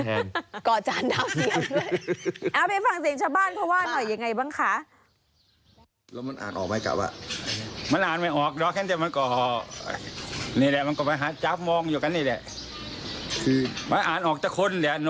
ทุกวันนี้มันเลยไปเกาะบ้านชาวบ้านเหมือนกันแทน